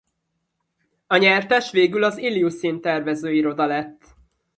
A nyertes végül az Iljusin tervezőiroda lett.